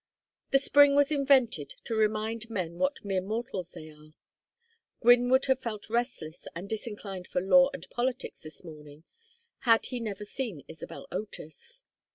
The spring was invented to remind men what mere mortals they are. Gwynne would have felt restless and disinclined for law and politics this morning had he never seen Isabel Otis.